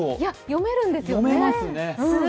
読めるんですよね。